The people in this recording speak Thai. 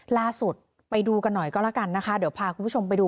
ล่าสุดไปดูกันหน่อยก็แล้วกันนะคะเดี๋ยวพาคุณผู้ชมไปดู